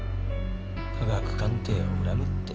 科学鑑定を恨むって。